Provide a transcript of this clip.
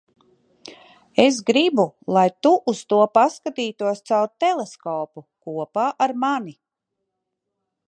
Es gribu, lai tu uz to paskatītos caur teleskopu - kopā ar mani.